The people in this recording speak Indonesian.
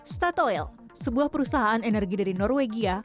statoel sebuah perusahaan energi dari norwegia